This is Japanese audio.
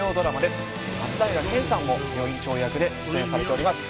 松平健さんも病院長役で出演されております。